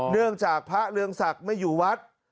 เนื่องจากพระเรืองศักดิ์ไม่อยู่วัด